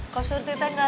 kau surutin gak liat